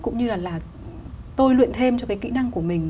cũng như là là tôi luyện thêm cho cái kĩ năng của mình